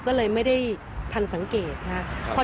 ก็เลยไม่ได้ทันสังเกตนะครับ